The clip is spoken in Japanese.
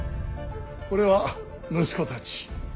これは息子たち。